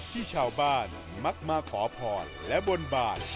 ที่ชาวบ้านมักมาขอพรและบนบาน